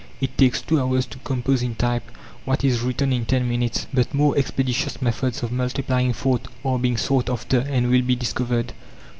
It takes two hours to compose in type what is written in ten minutes, but more expeditious methods of multiplying thought are being sought after and will be discovered.